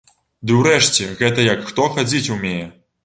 Ды ўрэшце, гэта як хто хадзіць умее.